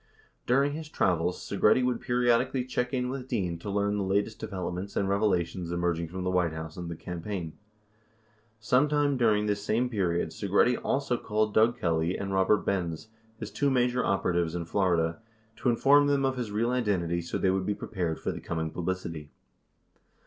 During his travels, Segretti would periodi cally check in with Dean to learn the latest developments and revela tions emerging from the White House and the campaign. 68 Sometime during this same period, Segretti also called Doug Kelly and Robert Benz, his two major operatives in Florida, to inform them of his real identity so they would be prepared for the coming publicity.